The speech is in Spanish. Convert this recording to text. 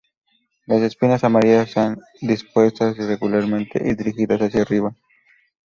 Las espinas amarillas están dispuestas irregularmente y dirigidas hacia arriba.